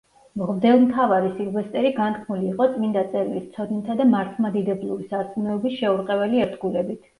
მღვდელმთავარი სილვესტერი განთქმული იყო წმინდა წერილის ცოდნითა და მართლმადიდებლური სარწმუნოების შეურყეველი ერთგულებით.